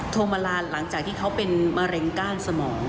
โทรมาลานหลังจากที่เขาเป็นมะเร็งก้านสมอง